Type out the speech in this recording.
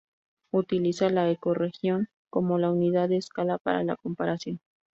Utiliza la ecorregión como la unidad de escala para la comparación.